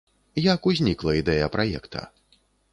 Як узнікла ідэя праекта?